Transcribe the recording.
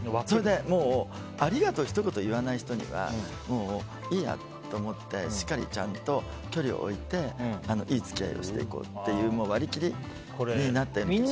それで、もうありがとう、ひと言言わない人にはもういいやって思ってしっかりちゃんと距離を置いていい付き合いをしていこうという割り切りになってます。